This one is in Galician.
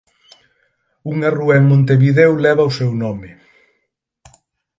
Unha rúa en Montevideo leva o seu nome.